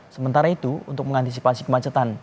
sementara itu untuk mengantisipasi kemacetan